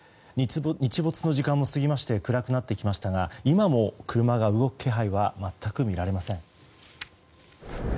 日没の時間を過ぎまして暗くなってきましたが今も車が動く気配は全く見られません。